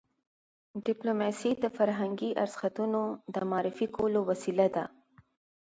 ډيپلوماسي د فرهنګي ارزښتونو د معرفي کولو وسیله ده.